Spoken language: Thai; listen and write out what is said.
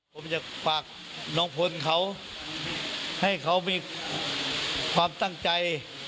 ผมอยากฝากน้องพลเขาให้เขามีความตั้งใจ